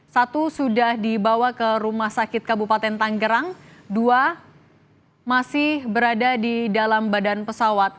satu sudah dibawa ke rumah sakit kabupaten tanggerang dua masih berada di dalam badan pesawat